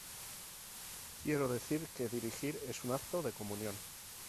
Quiero decir que dirigir es un acto de comunión.